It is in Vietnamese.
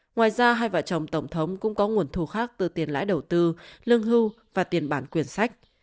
ngoài ra hai vợ chồng tổng thống cũng có nguồn thu khác từ tiền lãi đầu tư lương hưu và tiền bản quyền sách